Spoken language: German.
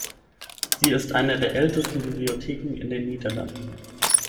Sie ist eine der ältesten Bibliotheken in den Niederlanden.